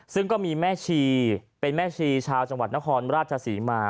ซึ่งก็มีแม่ชีเป็นแม่ชีชาวจังหวัดนครราชศรีมา